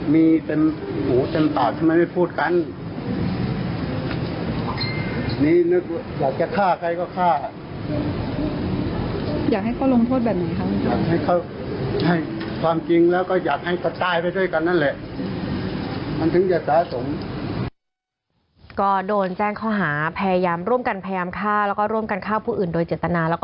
อยากให้เขาให้ความจริงแล้วก็อยากให้เขาตายไปด้วยกันนั่นแหละ